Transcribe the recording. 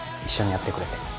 一緒にやってくれて。